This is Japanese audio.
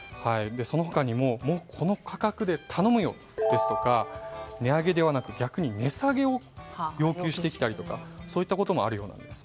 その他にもこの価格で頼むよですとか値上げではなく逆に値下げを要求してきたりそういったこともあるようです。